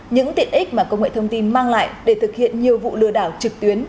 những tiện ích mà công nghệ thông tin mang lại để thực hiện nhiều vụ lừa đảo trực tuyến